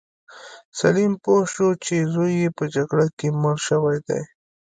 سلیم پوه شو چې زوی یې په جګړه کې مړ شوی دی.